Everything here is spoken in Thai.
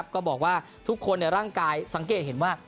ก็บอกว่าทุกคนในร่างกายสังเกตเห็นว่า